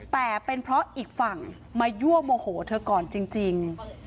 แต่เป็นเพราะอีกฝั่งมายั่วโมโหเธอก่อนจริง